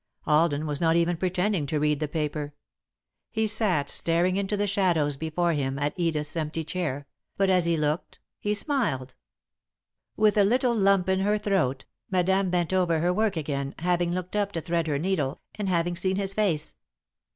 Alden was not even pretending to read the paper he sat staring into the shadows before him at Edith's empty chair, but, as he looked, he smiled. [Sidenote: The Goal Reached] With a little lump in her throat Madame bent over her work again, having looked up to thread her needle, and having seen his face.